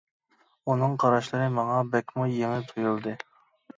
ئۇنىڭ قاراشلىرى ماڭا بەكمۇ يېڭى تۇيۇلدى.